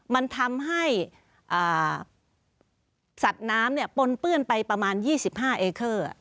มันทำให้สัตว์น้ำปนเปื้อนไปประมาณ๒๕เอเคอร์